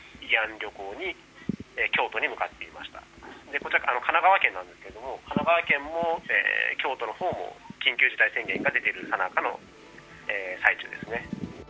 こちら、神奈川県なんですけど神奈川県も京都の方も緊急事態宣言が出ているさなかです。